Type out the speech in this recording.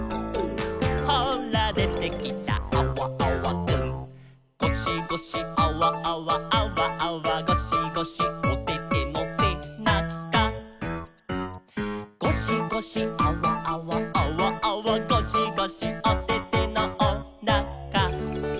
「ほらでてきたアワアワくん」「ゴシゴシアワアワアワアワゴシゴシ」「おててのせなか」「ゴシゴシアワアワアワアワゴシゴシ」「おててのおなか」